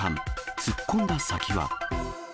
突っ込んだ先は？